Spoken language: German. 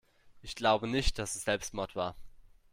Ich glaube nicht, dass es Selbstmord war.